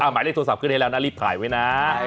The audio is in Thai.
หมายเลขโทรศัพท์ขึ้นให้แล้วนะรีบถ่ายไว้นะ